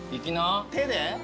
手で？